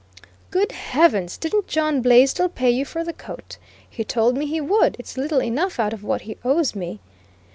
"Good heavens! didn't John Blaisdell pay you for the coat? He told me he would; its little enough out of what he owes me."